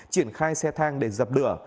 triển khai xe thang để dập đửa